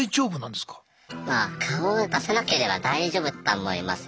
まあ顔を出さなければ大丈夫だと思います。